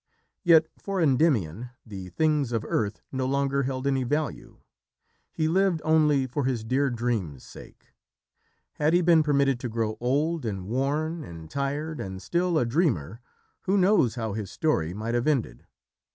Yet for Endymion the things of earth no longer held any value. He lived only for his dear dream's sake. Had he been permitted to grow old and worn and tired, and still a dreamer, who knows how his story might have ended?